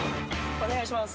お願いします